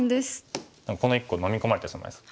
この１個のみ込まれてしまいそう。